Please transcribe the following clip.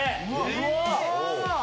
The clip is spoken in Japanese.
うわっ！